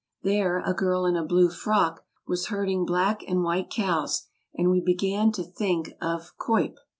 There a girl in a blue frock was herding black and white cows, and we began to think of Cuyp.